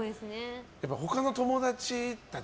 やっぱり他の友達たち